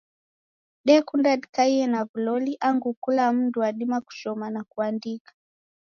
Dekunda dikaie na w'uloli angu kula mndu wadima kushoma na kuandika.